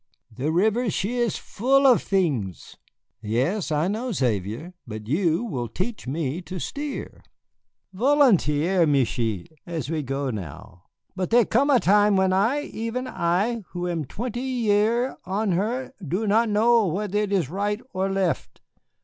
The river, she is full of things." "Yes, I know, Xavier, but you will teach me to steer." "Volontiers, Michié, as we go now. But there come a time when I, even I, who am twenty year on her, do not know whether it is right or left.